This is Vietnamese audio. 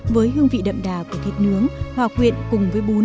với hương vị đậm đà của thịt nướng hòa quyện cùng với bún và dùng kèm với rau sống